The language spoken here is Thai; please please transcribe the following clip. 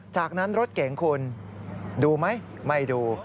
จากนั้นรถเก่งคุณดูไหมไม่ดู